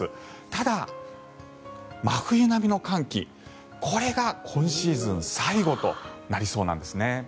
ただ、真冬並みの寒気これが今シーズン最後となりそうなんですね。